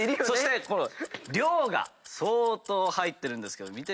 そして量が相当入ってるんですけど。